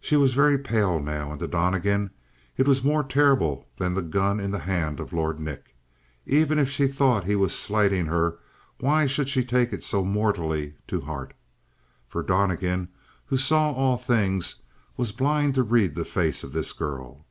She was very pale now; and to Donnegan it was more terrible than the gun in the hand of Lord Nick. Even if she thought he was slighting her why should she take it so mortally to heart? For Donnegan, who saw all things, was blind to read the face of this girl.